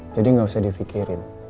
jadi gak usah difikirin